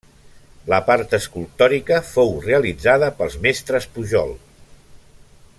La part escultòrica fou realitzada pels mestres Pujol.